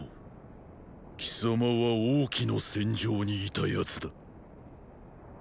貴様は王騎の戦場にいた奴だ。